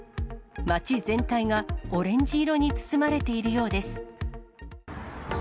街全体がオレンジ色に包まれているようです。